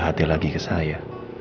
bahagia lagi ke saya